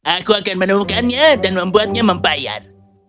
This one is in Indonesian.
aku akan menemukannya dan membuatnya membayar